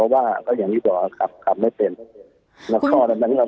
เหมือนกับพี่บ่วนต้องขับหลายคำ